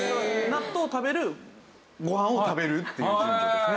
納豆食べるご飯を食べるっていう順序ですね。